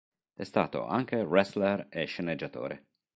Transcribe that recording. È stato anche wrestler e sceneggiatore.